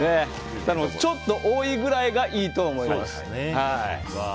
ちょっと多いくらいがいいと思います。